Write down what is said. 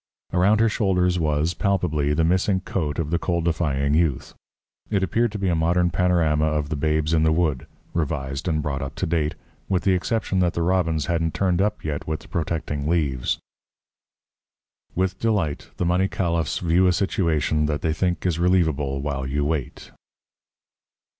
Around her shoulders was, palpably, the missing coat of the cold defying youth. It appeared to be a modern panorama of the Babes in the Wood, revised and brought up to date, with the exception that the robins hadn't turned up yet with the protecting leaves. With delight the money caliphs view a situation that they think is relievable while you wait.